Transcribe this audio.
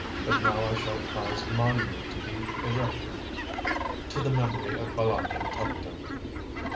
But now I shall cause monument to be erected to the memory of Bâlât and Tuptim."